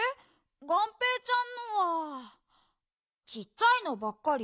がんぺーちゃんのはちっちゃいのばっかり？